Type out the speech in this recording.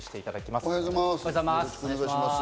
おはようございます。